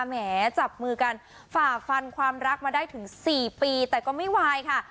แหมจับมือกันฝ่าฟันความรักมาได้ถึง๔ปีแต่ก็ไม่วายค่ะ